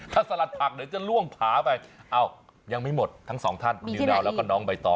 แต่สลัดผักเดียวจะล่วงผาไปเอ่ายังไม่หมดทั้งสองท่าน